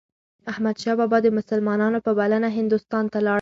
احمدشاه بابا د مسلمانانو په بلنه هندوستان ته لاړ.